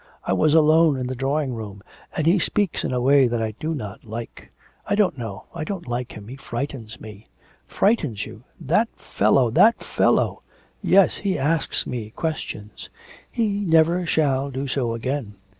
I was alone in the drawing room. And he speaks in a way that I do not like I don't know.... I don't like him; he frightens me.' 'Frightens you! That fellow that fellow!' 'Yes; he asks me questions.' 'He never shall do so again.